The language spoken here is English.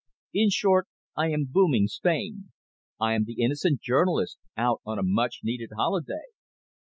In short, I am `booming' Spain. I am the innocent journalist, out on a much needed holiday."